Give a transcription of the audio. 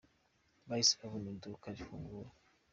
Bahise babona iduka rifunguye.